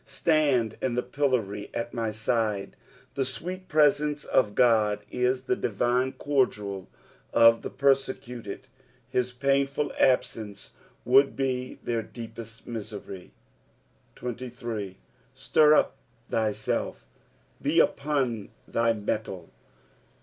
Btand in the pillory ;it my side. The sweet presence of God is the divine cordial of the persecuted ; hU painful absence would be their deepest misery. %3. " Stir vp thyielf." Be upon thy mettle.